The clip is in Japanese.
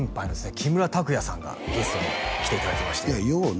木村拓哉さんがゲストに来ていただきましてようね